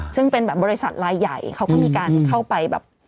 ซึ่งเป็นแบบบริษัทลายใหญ่เขาก็มีการเข้าไปแบบ